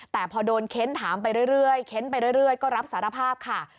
แต่พอโดนเค้นถามไปเรื่อยเค้นไปเรื่อยก็รับสารภาพค่ะ